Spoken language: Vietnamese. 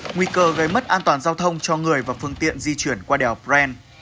nguy cơ gây mất an toàn giao thông cho người và phương tiện di chuyển qua đèo bren